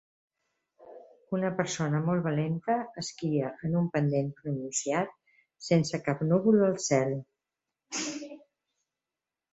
Una persona molt valenta esquia en un pendent pronunciat sense cap núvol al cel.